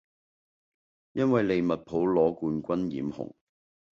因為利物浦攞冠軍染紅